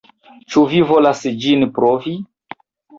Ĉu vi volas ĝin provi?